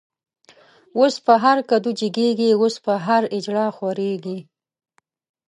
اوس په هر کدو جګيږی، اوس په هر” اجړا” خوريږی